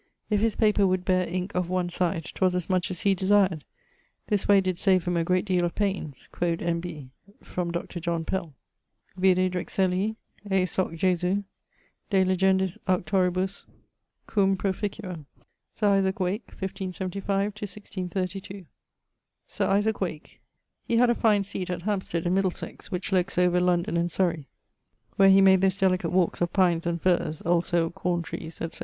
If his paper would beare ink of one side 'twas as much as he desired. This way did save him a great deale of paines quod N.B.: from Dr. John Pell. Vide Drexelii, e Soc. Jesu, de legendis auctoribus cum proficuo. Sir Isaac Wake (1575 1632). Sir Isaac Wake: he had a fine seate at Hampsted in Middlesex, which lookes over London and Surrey, where he made those delicate walkes of pines and firres, also corme trees, etc.